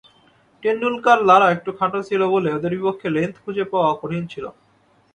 টেন্ডুলকার-লারা একটু খাটো ছিল বলে ওদের বিপক্ষে লেংথ খুঁজে পাওয়াটা কঠিন ছিল।